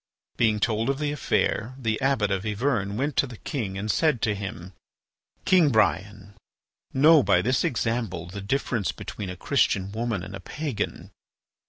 Being told of the affair, the Abbot of Yvern went to the king and said to him: "King Brian, know by this example the difference between a Christian woman and a pagan.